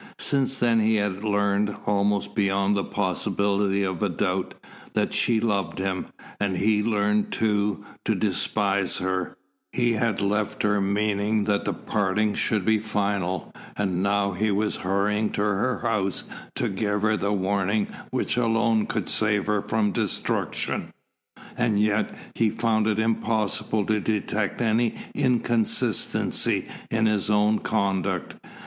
Since then he had learned, almost beyond the possibility of a doubt, that she loved him, and he had learned, too, to despise her, he had left her meaning that the parting should be final, and now he was hurrying to her house to give her the warning which alone could save her from destruction. And yet, he found it impossible to detect any inconsistency in his own conduct.